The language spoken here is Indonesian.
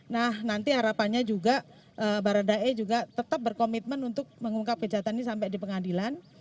nah nanti harapannya juga baradae juga tetap berkomitmen untuk mengungkap kejahatan ini sampai di pengadilan